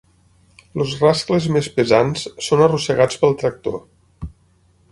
Els rascles més pesants són arrossegats pel tractor.